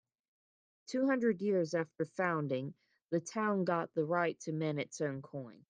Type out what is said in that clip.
Two hundred years after founding, the town got the right to mint its own coin.